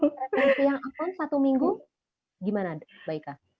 tergantung siang apa satu minggu gimana mba ika